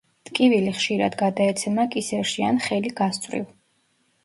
ტკივილი ხშირად გადაეცემა კისერში ან ხელი გასწვრივ.